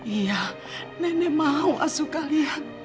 iya nenek mau asuh kalian